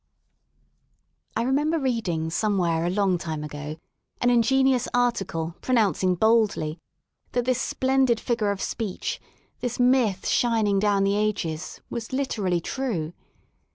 I remember reading somewhere a long time ago an ingenious article pronouncing boldly that this splendid figure of speech, this myth shining down the ages, was literally true.